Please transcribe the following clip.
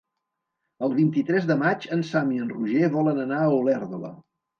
El vint-i-tres de maig en Sam i en Roger volen anar a Olèrdola.